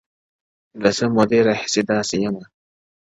• له څه مودې راهيسي داسـي يـمـه؛